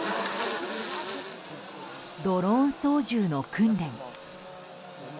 ドローン操縦の訓練。